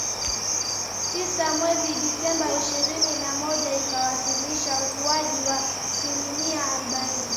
tisa mwezi Disemba ishirini na moja ikiwasilisha ukuaji wa asilimia arubaini